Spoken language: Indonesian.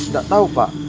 gak tau pak